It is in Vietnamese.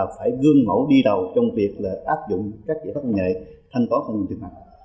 phải gương mẫu đi đầu trong việc áp dụng các giải pháp công nghệ thanh toán bằng tiền mạng